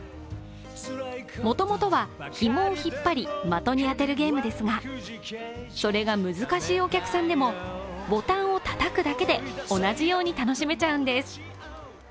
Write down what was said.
もともとは、ひもを引っ張り的に当てるゲームですが、それが難しいお客さんでもボタンをたたくだけで同じように楽しめちゃうんです。